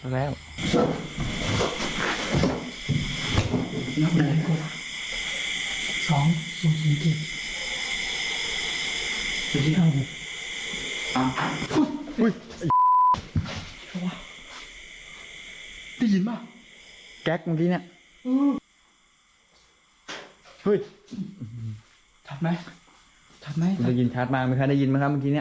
ได้ยินชาร์จมากมั้ยคะได้ยินมั้ยครับบางทีนี่